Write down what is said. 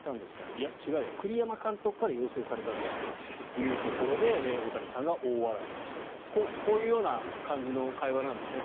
いや、違うよ栗山監督から要請されたんだというところで大谷さんが大笑いをしたというこういう感じの会話なんですね